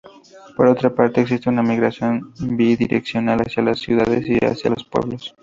Por otra parte, existe una migración bidireccional: hacia las ciudades y hacia los pueblos.